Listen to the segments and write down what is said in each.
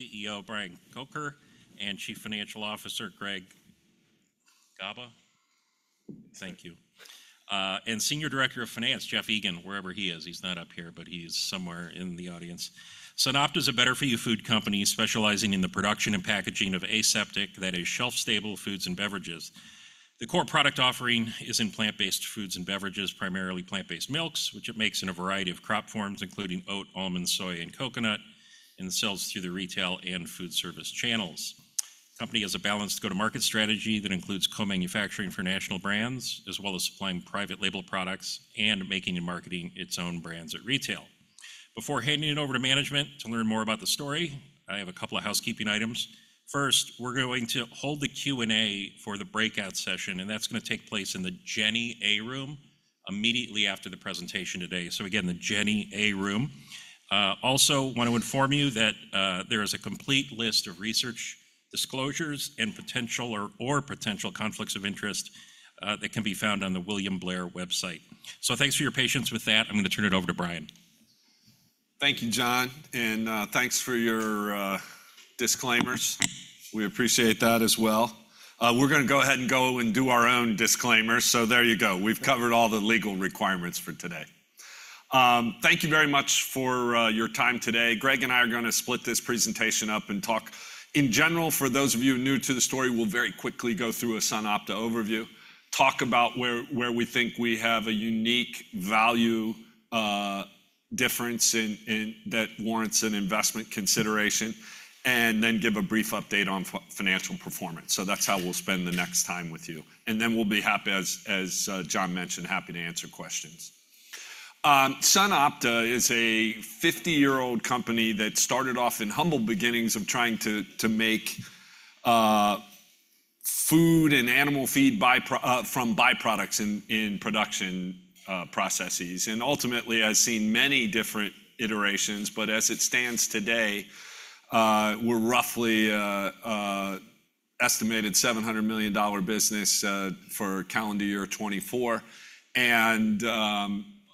CEO Brian Kocher and Chief Financial Officer Greg Gaba. Thank you. And Senior Director of Finance, Jeff Egan, wherever he is. He's not up here, but he's somewhere in the audience. SunOpta is a better-for-you food company specializing in the production and packaging of aseptic, that is, shelf-stable foods and beverages. The core product offering is in plant-based foods and beverages, primarily plant-based milks, which it makes in a variety of crop forms, including oat, almond, soy, and coconut, and sells through the retail and Food Service channels. The company has a balanced go-to-market strategy that includes co-manufacturing for national brands, as well as supplying private label products and making and marketing its own brands at retail. Before handing it over to management to learn more about the story, I have a couple of housekeeping items. First, we're going to hold the Q&A for the breakout session, and that's gonna take place in the Jenney A room immediately after the presentation today. So again, the Jenney A room. Also, want to inform you that there is a complete list of research disclosures and potential conflicts of interest that can be found on the William Blair website. So thanks for your patience with that. I'm gonna turn it over to Brian. Thank you, Jon, and thanks for your disclaimers. We appreciate that as well. We're gonna go ahead and go and do our own disclaimer, so there you go. We've covered all the legal requirements for today. Thank you very much for your time today. Greg and I are gonna split this presentation up and talk. In general, for those of you new to the story, we'll very quickly go through a SunOpta overview, talk about where, where we think we have a unique value difference in, in, that warrants an investment consideration, and then give a brief update on financial performance. So that's how we'll spend the next time with you. And then we'll be happy, as, as Jon mentioned, happy to answer questions. SunOpta is a 50-year-old company that started off in humble beginnings of trying to make food and animal feed from byproducts in production processes. And ultimately, I've seen many different iterations, but as it stands today, we're roughly estimated $700 million business for calendar year 2024, and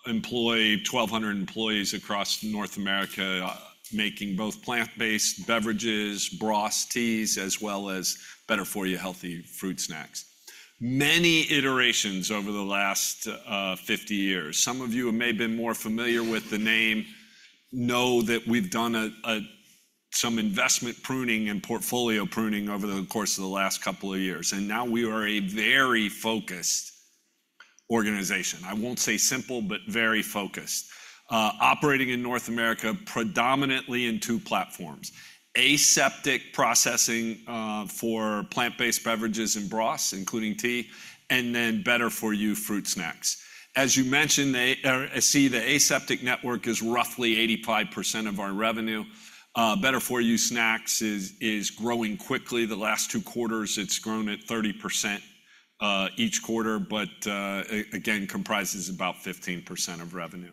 employ 1,200 employees across North America, making both plant-based beverages, broths, teas, as well as better-for-you healthy fruit snacks. Many iterations over the last 50 years. Some of you who may have been more familiar with the name know that we've done some investment pruning and portfolio pruning over the course of the last couple of years, and now we are a very focused organization. I won't say simple, but very focused, operating in North America, predominantly in two platforms: aseptic processing for plant-based beverages and broths, including tea, and then better-for-you fruit snacks. As you mentioned, the aseptic network is roughly 85% of our revenue. Better-for-you snacks is growing quickly. The last two quarters, it's grown at 30% each quarter, but again, comprises about 15% of revenue.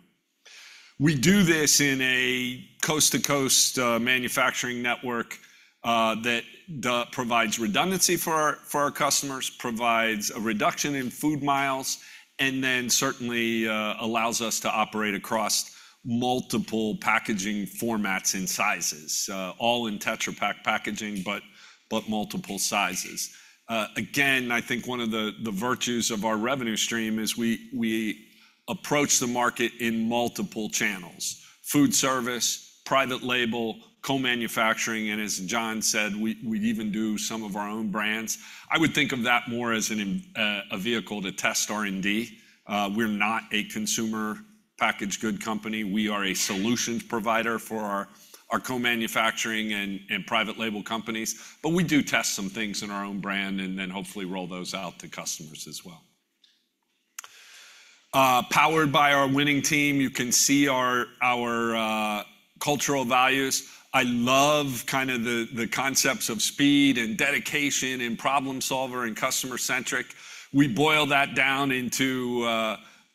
We do this in a coast-to-coast manufacturing network that provides redundancy for our customers, provides a reduction in food miles, and then certainly allows us to operate across multiple packaging formats and sizes, all in Tetra Pak packaging, but multiple sizes. Again, I think one of the virtues of our revenue stream is we approach the market in multiple channels: Food Service, private label, co-manufacturing, and as Jon said, we even do some of our own brands. I would think of that more as a vehicle to test R&D. We're not a consumer packaged goods company. We are a solutions provider for our co-manufacturing and private label companies. But we do test some things in our own brand and then hopefully roll those out to customers as well. Powered by our winning team, you can see our cultural values. I love kind of the concepts of speed and dedication and problem solver and customer centric. We boil that down into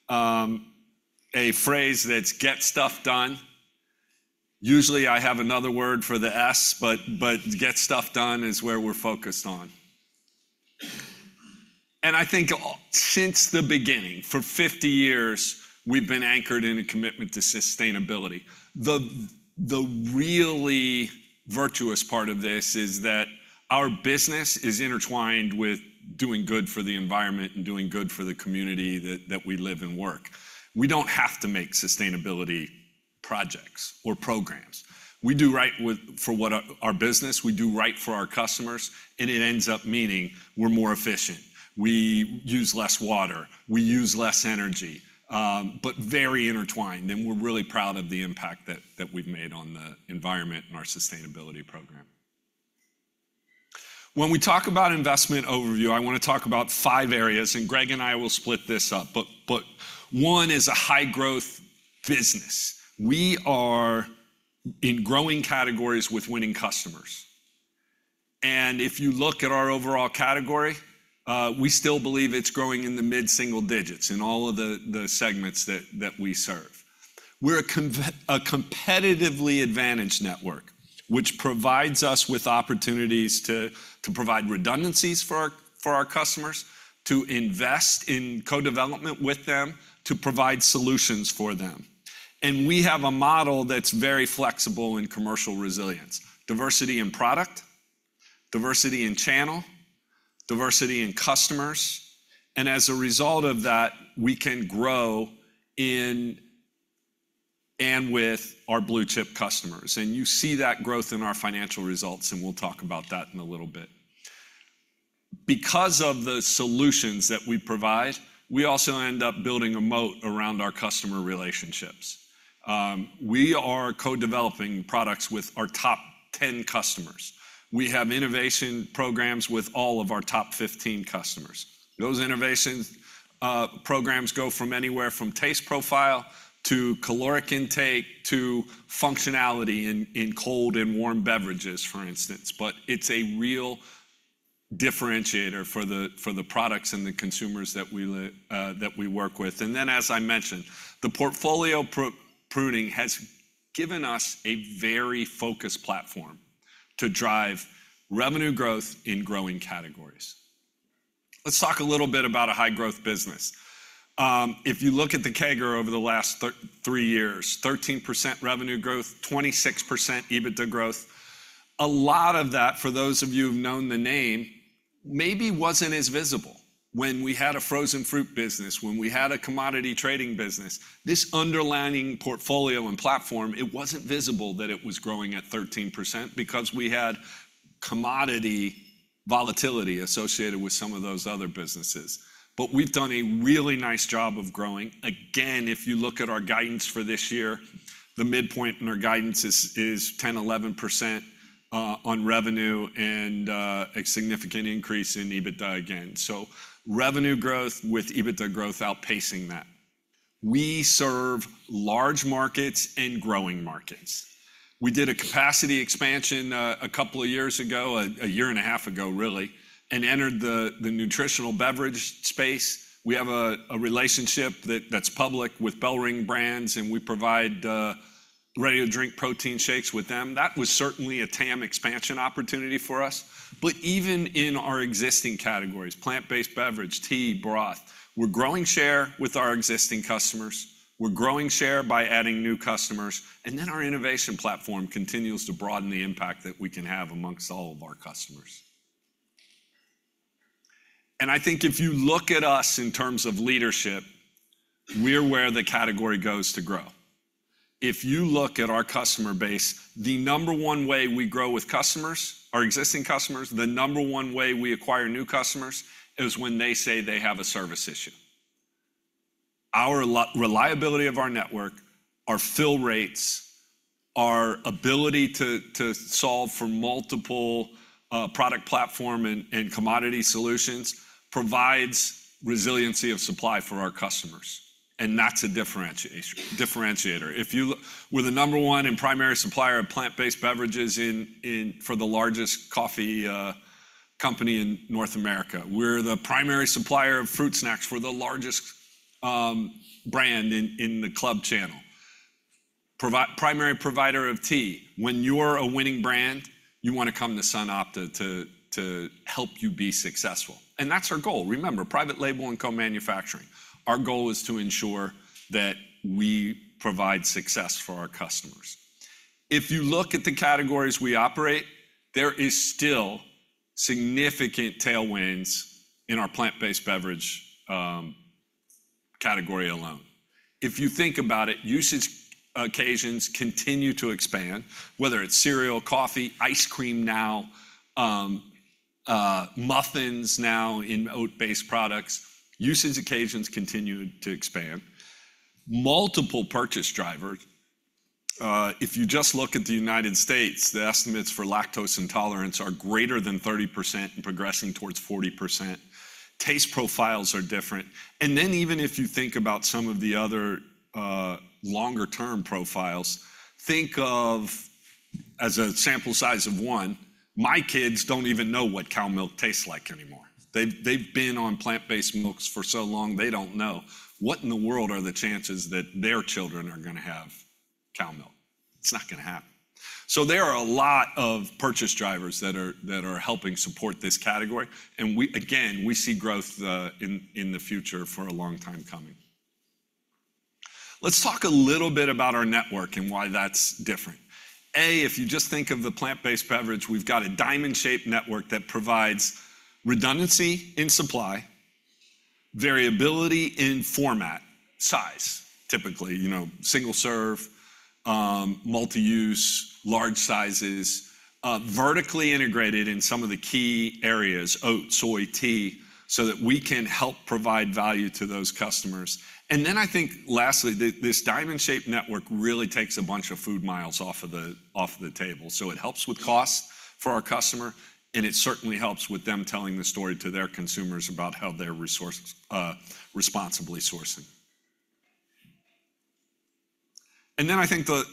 a phrase that's, "Get stuff done." Usually, I have another word for the S, but "Get stuff done" is where we're focused on. And I think since the beginning, for 50 years, we've been anchored in a commitment to sustainability. The really virtuous part of this is that our business is intertwined with doing good for the environment and doing good for the community that we live and work. We don't have to make sustainability projects or programs. We do right with, for what our business, we do right for our customers, and it ends up meaning we're more efficient, we use less water, we use less energy, but very intertwined, and we're really proud of the impact that we've made on the environment and our sustainability program. When we talk about investment overview, I wanna talk about five areas, and Greg and I will split this up. But one is a high-growth business. We are in growing categories with winning customers. And if you look at our overall category, we still believe it's growing in the mid-single digits in all of the segments that we serve. We're a competitively advantaged network, which provides us with opportunities to provide redundancies for our customers, to invest in co-development with them, to provide solutions for them. And we have a model that's very flexible in commercial resilience, diversity in product, diversity in channel, diversity in customers, and as a result of that, we can grow in and with our blue-chip customers. And you see that growth in our financial results, and we'll talk about that in a little bit. Because of the solutions that we provide, we also end up building a moat around our customer relationships. We are co-developing products with our top 10 customers. We have innovation programs with all of our top 15 customers. Those innovation programs go from anywhere from taste profile to caloric intake, to functionality in cold and warm beverages, for instance. But it's a real differentiator for the products and the consumers that we work with. And then, as I mentioned, the portfolio pruning has given us a very focused platform to drive revenue growth in growing categories. Let's talk a little bit about a high-growth business. If you look at the CAGR over the last three years, 13% revenue growth, 26% EBITDA growth. A lot of that, for those of you who've known the name, maybe wasn't as visible when we had a frozen fruit business, when we had a commodity trading business. This underlying portfolio and platform, it wasn't visible that it was growing at 13% because we had commodity volatility associated with some of those other businesses. But we've done a really nice job of growing. Again, if you look at our guidance for this year, the midpoint in our guidance is ten, eleven percent on revenue and a significant increase in EBITDA again. So revenue growth with EBITDA growth outpacing that. We serve large markets and growing markets. We did a capacity expansion a couple of years ago, a year and a half ago, really, and entered the nutritional beverage space. We have a relationship that's public with BellRing Brands, and we provide ready-to-drink protein shakes with them. That was certainly a TAM expansion opportunity for us. But even in our existing categories, plant-based beverage, tea, broth, we're growing share with our existing customers, we're growing share by adding new customers, and then our innovation platform continues to broaden the impact that we can have amongst all of our customers. And I think if you look at us in terms of leadership, we're where the category goes to grow. If you look at our customer base, the number one way we grow with customers, our existing customers, the number one way we acquire new customers, is when they say they have a service issue. Our reliability of our network, our fill rates, our ability to solve for multiple product platform and commodity solutions, provides resiliency of supply for our customers, and that's a differentiator. If you look, we're the number one and primary supplier of plant-based beverages in for the largest coffee company in North America. We're the primary supplier of fruit snacks. We're the largest brand in the club channel. Primary provider of tea. When you're a winning brand, you want to come to SunOpta to help you be successful, and that's our goal. Remember, private label and co-manufacturing, our goal is to ensure that we provide success for our customers. If you look at the categories we operate, there is still significant tailwinds in our plant-based beverage category alone. If you think about it, usage occasions continue to expand, whether it's cereal, coffee, ice cream now, muffins now in oat-based products. Usage occasions continue to expand. Multiple purchase drivers, if you just look at the United States, the estimates for lactose intolerance are greater than 30% and progressing towards 40%. Taste profiles are different. And then even if you think about some of the other, longer-term profiles, think of, as a sample size of one, my kids don't even know what cow milk tastes like anymore. They've, they've been on plant-based milks for so long, they don't know. What in the world are the chances that their children are gonna have cow milk? It's not gonna happen. So there are a lot of purchase drivers that are helping support this category, and we, again, we see growth in the future for a long time coming. Let's talk a little bit about our network and why that's different. If you just think of the plant-based beverage, we've got a diamond-shaped network that provides redundancy in supply, variability in format, size, typically, you know, single-serve, multi-use, large sizes, vertically integrated in some of the key areas, oat, soy, tea, so that we can help provide value to those customers. And then I think lastly, this diamond-shaped network really takes a bunch of food miles off the table, so it helps with cost for our customer, and it certainly helps with them telling the story to their consumers about how they're responsibly sourcing. Then I think the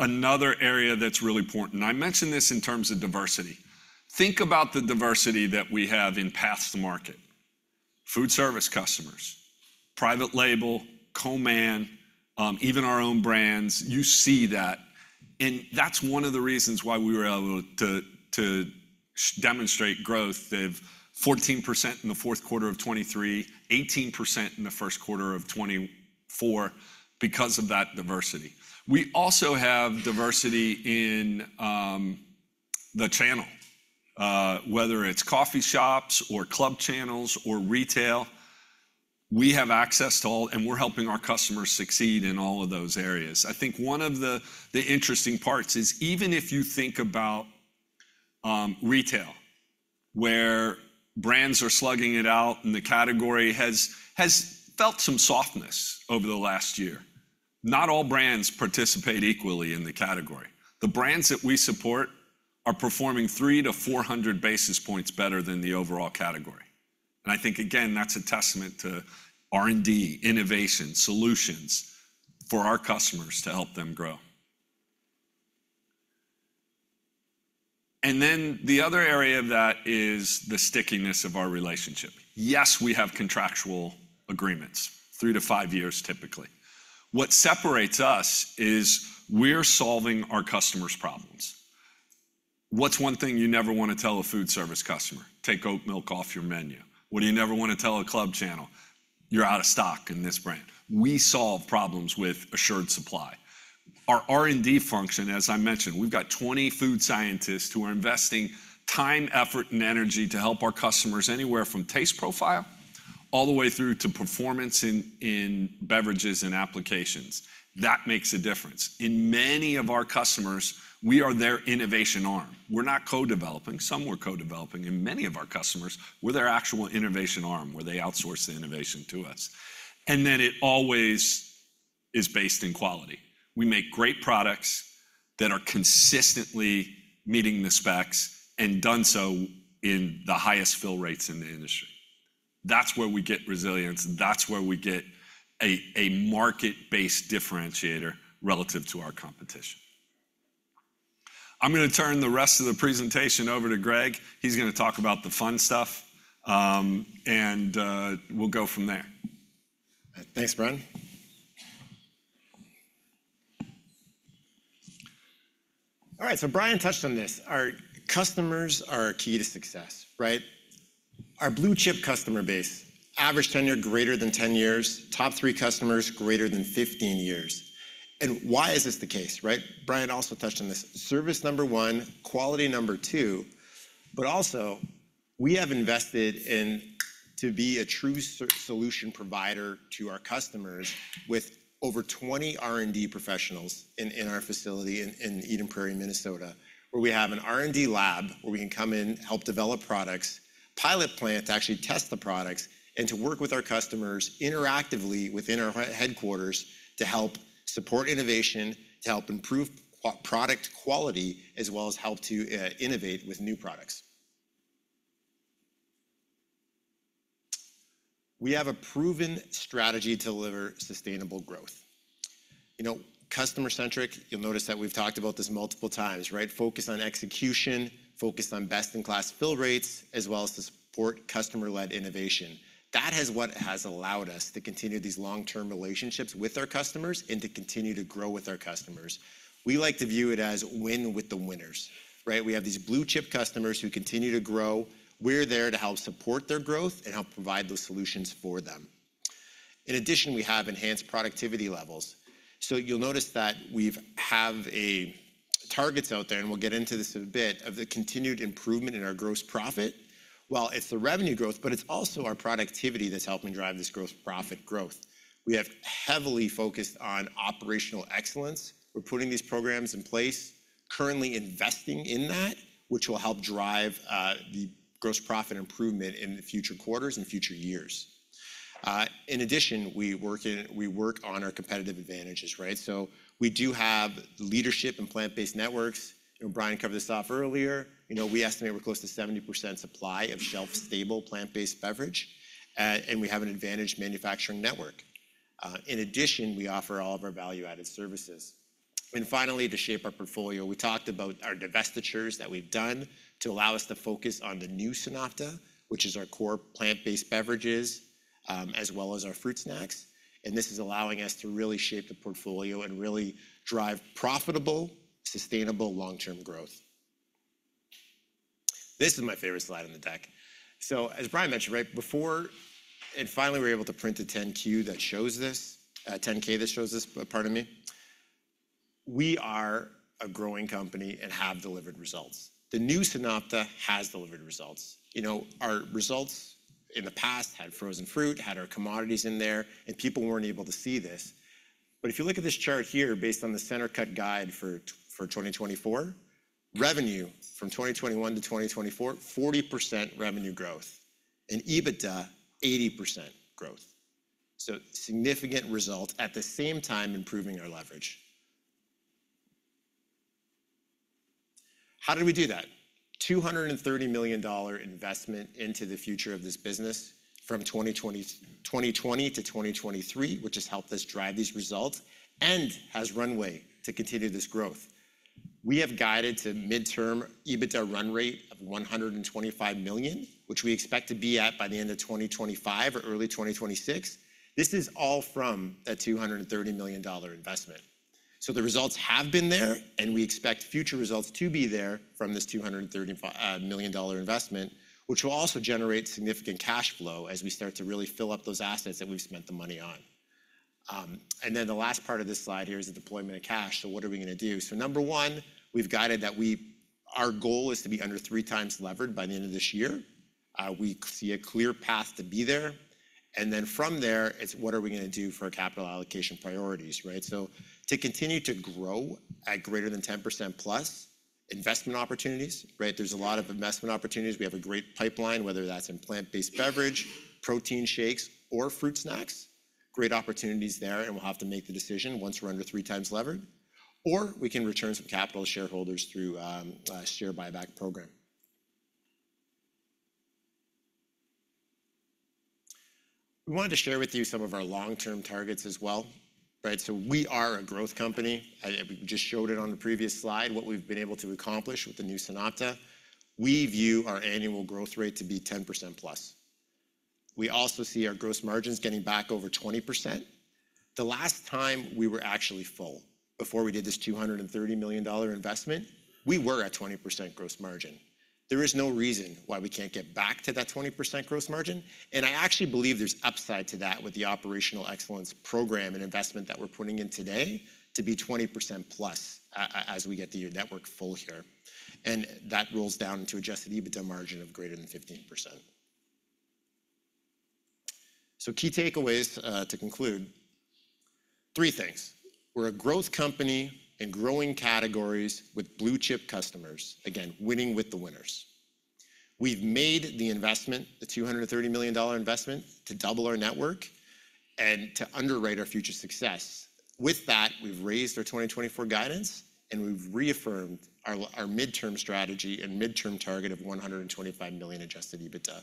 another area that's really important. I mentioned this in terms of diversity. Think about the diversity that we have in path to market. Food service customers, Private Label, co-man, even our own brands, you see that, and that's one of the reasons why we were able to demonstrate growth. They have 14% in Q4 of 2023, 18% in Q1 of 2024, because of that diversity. We also have diversity in the channel. Whether it's coffee shops or club channels or retail, we have access to all, and we're helping our customers succeed in all of those areas. I think one of the interesting parts is, even if you think about retail, where brands are slugging it out, and the category has felt some softness over the last year, not all brands participate equally in the category. The brands that we support are performing 300 to 400 basis points better than the overall category, and I think, again, that's a testament to R&D, innovation, solutions for our customers to help them grow. And then the other area of that is the stickiness of our relationship. Yes, we have contractual agreements, three to five years, typically. What separates us is we're solving our customers' problems. What's one thing you never want to tell a Food Service customer? "Take oat milk off your menu." What do you never want to tell a club channel? You're out of stock in this brand." We solve problems with assured supply. Our R&D function, as I mentioned, we've got 20 food scientists who are investing time, effort, and energy to help our customers anywhere from taste profile all the way through to performance in beverages and applications. That makes a difference. In many of our customers, we are their innovation arm. We're not co-developing. Some we're co-developing, in many of our customers, we're their actual innovation arm, where they outsource the innovation to us, and then it always is based in quality. We make great products that are consistently meeting the specs and done so in the highest fill rates in the industry. That's where we get resilience, and that's where we get a market-based differentiator relative to our competition. I'm gonna turn the rest of the presentation over to Greg. He's gonna talk about the fun stuff, and we'll go from there. Thanks, Brian. All right, so Brian touched on this. Our customers are our key to success, right? Our blue-chip customer base, average tenure greater than 10 years, top three customers greater than 15 years. And why is this the case, right? Brian also touched on this. Service, number one, quality, number two, but also, we have invested in to be a true solution provider to our customers, with over 20 R&D professionals in our facility in Eden Prairie, Minnesota, where we have an R&D lab, where we can come in, help develop products, pilot plant to actually test the products, and to work with our customers interactively within our headquarters to help support innovation, to help improve product quality, as well as help to innovate with new products. We have a proven strategy to deliver sustainable growth. You know, customer-centric, you'll notice that we've talked about this multiple times, right? Focused on execution, focused on best-in-class fill rates, as well as to support customer-led innovation. That is what has allowed us to continue these long-term relationships with our customers and to continue to grow with our customers. We like to view it as win with the winners, right? We have these blue-chip customers who continue to grow. We're there to help support their growth and help provide those solutions for them. In addition, we have enhanced productivity levels. So you'll notice that we have targets out there, and we'll get into this in a bit, of the continued improvement in our gross profit. Well, it's the revenue growth, but it's also our productivity that's helping drive this gross profit growth. We have heavily focused on operational excellence. We're putting these programs in place, currently investing in that, which will help drive the gross profit improvement in the future quarters and future years. In addition, we work on our competitive advantages, right? So we do have leadership and plant-based networks. You know, Brian covered this off earlier. You know, we estimate we're close to 70% supply of shelf-stable, plant-based beverage, and we have an advantage manufacturing network. In addition, we offer all of our value-added services. And finally, to shape our portfolio, we talked about our divestitures that we've done to allow us to focus on the new SunOpta, which is our core plant-based beverages, as well as our fruit snacks, and this is allowing us to really shape the portfolio and really drive profitable, sustainable, long-term growth. This is my favorite slide in the deck. So, as Brian mentioned, right before, and finally, we're able to print a 10-Q that shows this, a 10-K that shows this part of me. We are a growing company and have delivered results. The new SunOpta has delivered results. You know, our results in the past had frozen fruit, had our commodities in there, and people weren't able to see this. But if you look at this chart here, based on the center cut guide for 2024, revenue from 2021 to 2024, 40% revenue growth and EBITDA, 80% growth, so significant result, at the same time, improving our leverage. How did we do that? $230 million investment into the future of this business from 2020 to 2023, which has helped us drive these results and has runway to continue this growth. We have guided to midterm EBITDA run rate of $125 million, which we expect to be at by the end of 2025 or early 2026. This is all from that $230 million investment. So the results have been there, and we expect future results to be there from this $235 million investment, which will also generate significant cash flow as we start to really fill up those assets that we've spent the money on. And then the last part of this slide here is the deployment of cash. So what are we gonna do? So number one, we've guided that our goal is to be under 3x levered by the end of this year. We see a clear path to be there, and then from there, it's what are we gonna do for our capital allocation priorities, right? So to continue to grow at greater than 10%+ investment opportunities, right? There's a lot of investment opportunities. We have a great pipeline, whether that's in plant-based beverage, protein shakes, or fruit snacks. Great opportunities there, and we'll have to make the decision once we're under 3x levered. Or we can return some capital to shareholders through a share buyback program. We wanted to share with you some of our long-term targets as well, right? So we are a growth company. We just showed it on the previous slide, what we've been able to accomplish with the new SunOpta. We view our annual growth rate to be 10%+. We also see our gross margins getting back over 20%. The last time we were actually full, before we did this $230 million investment, we were at 20% gross margin. There is no reason why we can't get back to that 20% gross margin, and I actually believe there's upside to that with the operational excellence program and investment that we're putting in today to be 20%+ as we get the network full here. That rolls down into Adjusted EBITDA margin of greater than 15%. Key takeaways, to conclude, three things: We're a growth company in growing categories with blue-chip customers. Again, winning with the winners. We've made the investment, the $230 million investment, to double our network and to underwrite our future success. With that, we've raised our 2024 guidance, and we've reaffirmed our midterm strategy and midterm target of $125 million adjusted EBITDA.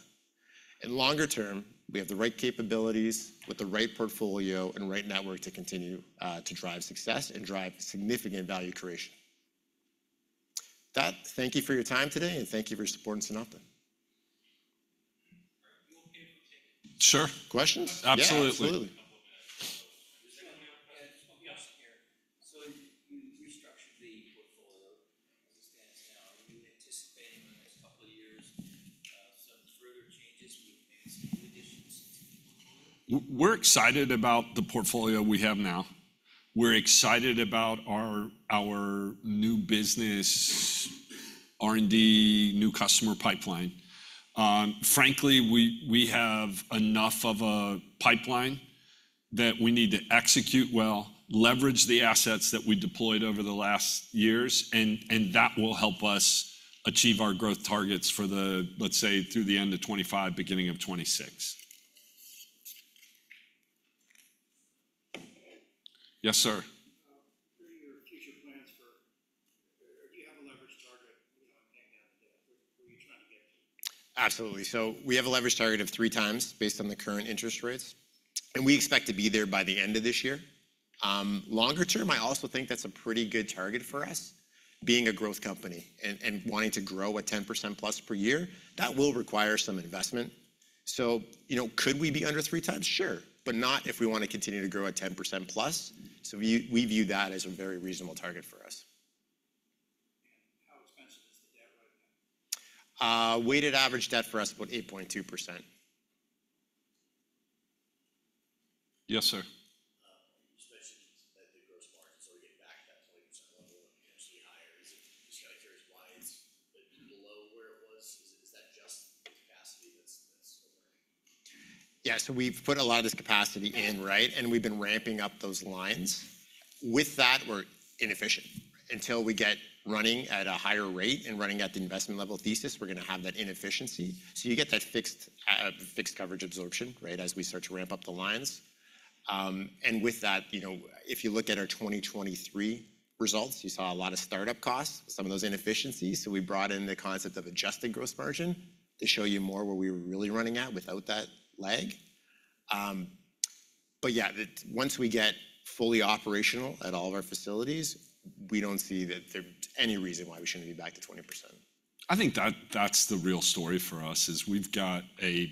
And longer term, we have the right capabilities with the right portfolio and right network to continue to drive success and drive significant value creation. With that, thank you for your time today, and thank you for your support in SunOpta. Sure. Questions? Absolutely. Yeah, absolutely. So you restructured the portfolio. As it stands now, are you anticipating in the next couple of years, some further changes you would make some additions to the portfolio? We're excited about the portfolio we have now. We're excited about our, our new business, R&D, new customer pipeline. Frankly, we, we have enough of a pipeline that we need to execute well, leverage the assets that we deployed over the last years, and, and that will help us achieve our growth targets for the, let's say, through the end of 2025, beginning of 2026. Yes, sir. What are your future plans for... Do you have a leverage target, you know, on paying down debt? Where are you trying to get to? Absolutely. So we have a leverage target of 3x based on the current interest rates, and we expect to be there by the end of this year. Longer term, I also think that's a pretty good target for us, being a growth company and wanting to grow at 10%+ per year. That will require some investment. So, you know, could we be under 3x? Sure, but not if we wanna continue to grow at 10%+. So we view that as a very reasonable target for us. How expensive is the debt right now? Weighted average debt for us, about 8.2%. Yes, sir. You mentioned that the gross margins are getting back to that 20% level and potentially higher. Is it just right there why it's below where it was? Is that just the capacity that's still running? Yeah, so we've put a lot of this capacity in, right? And we've been ramping up those lines. With that, we're inefficient. Until we get running at a higher rate and running at the investment level thesis, we're gonna have that inefficiency. So you get that fixed, fixed coverage absorption, right, as we start to ramp up the lines. And with that, you know, if you look at our 2023 results, you saw a lot of startup costs, some of those inefficiencies, so we brought in the concept of adjusted gross margin to show you more where we were really running at without that lag. But yeah, the once we get fully operational at all of our facilities, we don't see that there's any reason why we shouldn't be back to 20%. I think that that's the real story for us: we've got an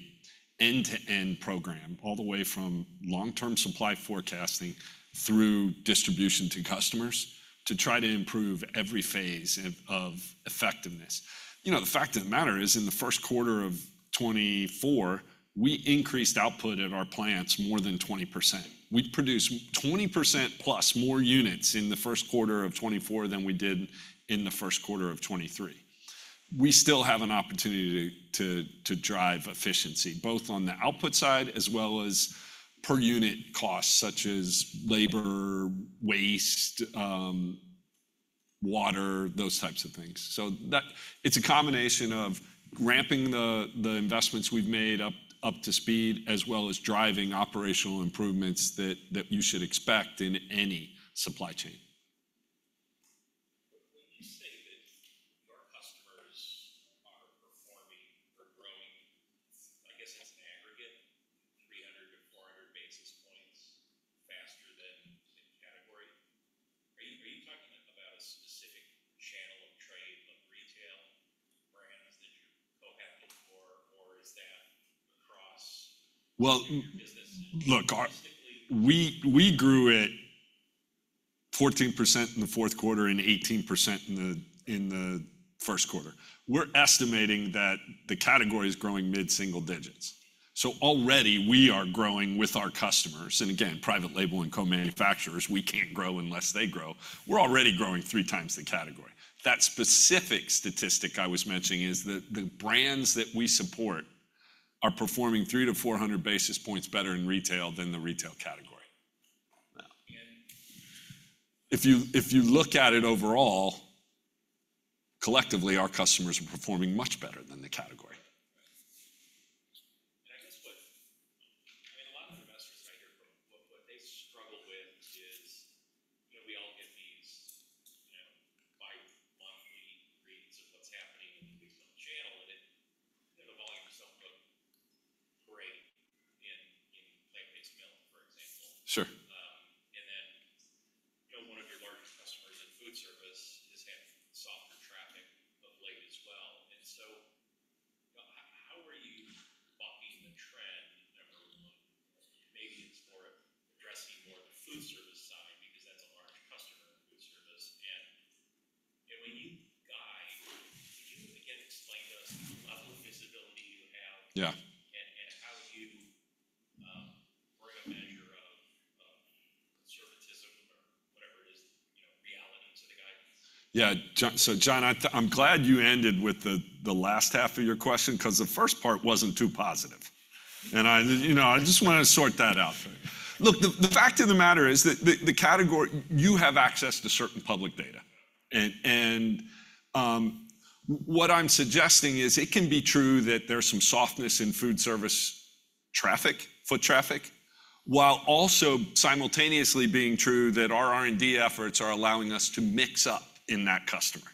end-to-end program all the way from long-term supply forecasting through distribution to customers to try to improve every phase of effectiveness. You know, the fact of the matter is, in Q1 of 2024, we increased output at our plants more than 20%. We produced 20%+ more units in Q1 of 2024 than we did in Q1 of 2023. We still have an opportunity to drive efficiency, both on the output side as well as per-unit costs, such as labor, waste, water, those types of things. So that's a combination of ramping the investments we've made up to speed, as well as driving operational improvements that you should expect in any supply chain. When you say that your customers are performing or growing, I guess as an aggregate, 300 to 400 basis points faster than the same category. Are you talking about a specific channel of trade of retail, or is that across the business? Well. Look, we grew at 14% in Q4 and 18% in Q1. We're estimating that the category is growing mid-single digits. So already we are growing with our customers, and again, private label and co-manufacturers, we can't grow unless they grow. We're already growing 3x the category. That specific statistic I was mentioning is that the brands that we support are performing 300 to 400 basis points better in retail than the retail category. Now, if you, if you look at it overall, collectively, our customers are performing much better than the category. in that customer.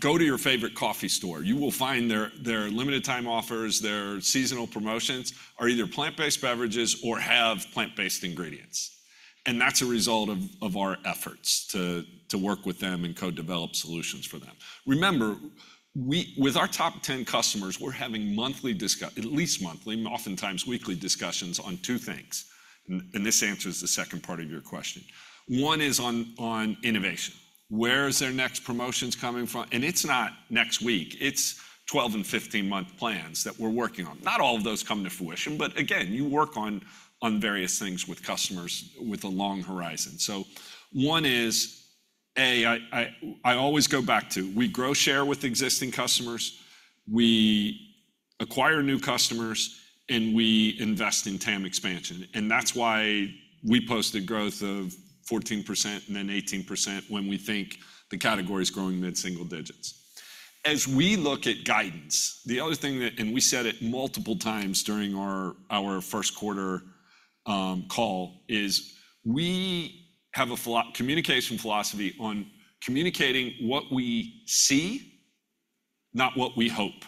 Go to your favorite coffee store. You will find their limited time offers, their seasonal promotions are either plant-based beverages or have plant-based ingredients, and that's a result of our efforts to work with them and co-develop solutions for them. Remember, with our top 10 customers, we're having monthly, at least monthly, oftentimes weekly discussions on two things, and this answers the second part of your question. One is on innovation. Where is their next promotions coming from? And it's not next week; it's 12- and 15-month plans that we're working on. Not all of those come to fruition, but again, you work on various things with customers with a long horizon. So one is, I always go back to, we grow share with existing customers, we acquire new customers, and we invest in TAM expansion, and that's why we posted growth of 14% and then 18% when we think the category is growing mid-single digits. As we look at guidance, the other thing that, and we said it multiple times during our Q1 call, is we have a communication philosophy on communicating what we see, not what we hope.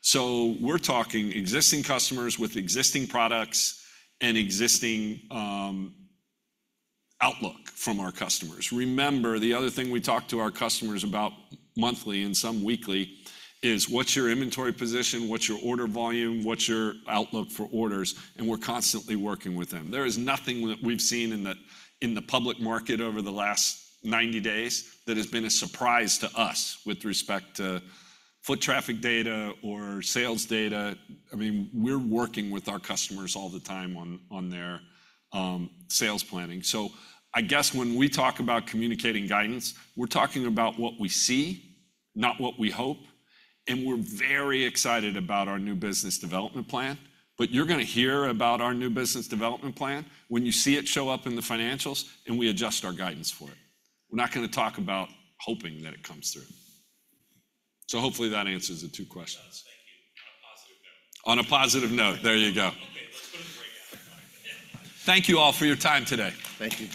So we're talking existing customers with existing products and existing outlook from our customers. Remember, the other thing we talk to our customers about monthly and some weekly is: What's your inventory position? What's your order volume? What's your outlook for orders? We're constantly working with them. There is nothing that we've seen in the public market over the last 90 days that has been a surprise to us with respect to foot traffic data or sales data. I mean, we're working with our customers all the time on their sales planning. I guess when we talk about communicating guidance, we're talking about what we see, not what we hope, and we're very excited about our new business development plan. But you're gonna hear about our new business development plan when you see it show up in the financials, and we adjust our guidance for it. We're not gonna talk about hoping that it comes through. Hopefully that answers the two questions. On a positive note, there you go. Thank you all for your time today. Thank you.